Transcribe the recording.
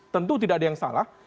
tentu tidak ada yang salah